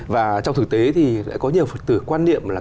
và trong thực tế thì có nhiều phật tử quan niệm là càng đúng